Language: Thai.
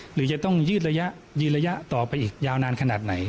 หรือจะต้องยืดระยะยืนระยะต่อไปอีกยาวนานขนาดไหน